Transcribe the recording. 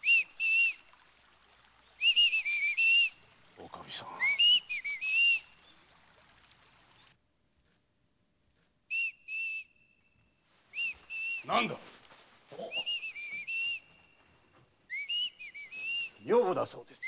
・おかみさん。何だ。女房だそうです。